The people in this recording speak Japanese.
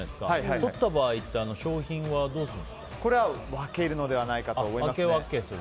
とった場合ってこれは分けるのではないかと思いますね。